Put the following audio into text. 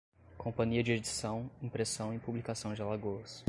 Companhia de Edição, Impressão e Publicação de Alagoas